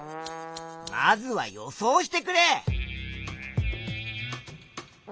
まずは予想してくれ。